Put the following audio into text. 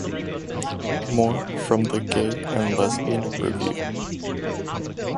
More from The Gay and Lesbian Review.